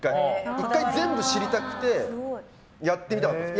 １回全部知りたくてやってみたかったんです。